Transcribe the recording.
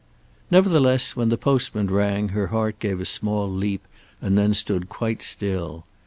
Nevertheless when the postman rang her heart gave a small leap and then stood quite still.